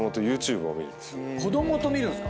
子供と見るんすか？